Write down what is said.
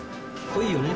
濃いよね？